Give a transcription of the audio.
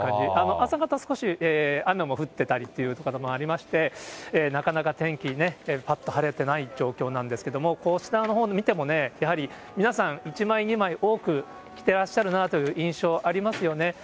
朝方少し雨も降ってたりという所もありまして、なかなか天気、ぱっと晴れてない状況なんですけれども、こちらのほう見ても、やはり皆さん、１枚、２枚、多く着てらっしゃるなという印象ありますよね。